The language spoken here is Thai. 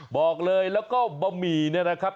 บอกเลยแล้วก็บะหมี่เนี่ยนะครับ